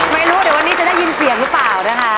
ไม่รู้เดี๋ยววันนี้จะได้ยินเสียงหรือเปล่านะคะ